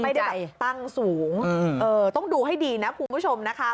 ไม่ได้แบบตั้งสูงต้องดูให้ดีนะคุณผู้ชมนะคะ